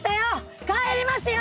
帰りますよ！